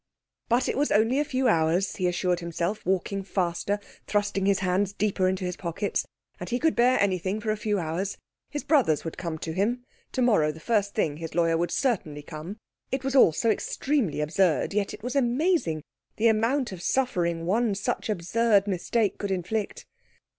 But it was only for a few hours, he assured himself, walking faster, thrusting his hands deeper into his pockets, and he could bear anything for a few hours. His brothers would come to him to morrow the first thing his lawyer would certainly come. It was all so extremely absurd; yet it was amazing the amount of suffering one such absurd mistake could inflict.